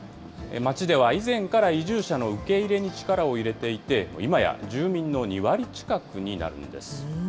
町では以前から移住者の受け入れに力を入れていて、今や住民の２割近くになるんです。